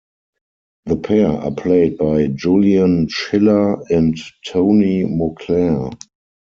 The pair are played by Julian Schiller and Tony Moclair.